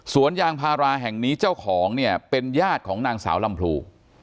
ยางพาราแห่งนี้เจ้าของเนี่ยเป็นญาติของนางสาวลำพู